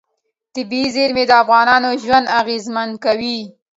طبیعي زیرمې د افغانانو ژوند اغېزمن کوي.